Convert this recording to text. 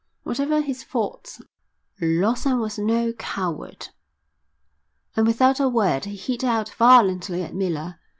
Whatever his faults Lawson was no coward, and without a word he hit out violently at Miller.